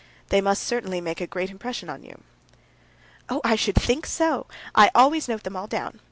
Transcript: "They must certainly make a great impression on you." "Oh, I should think so! I always note them all down.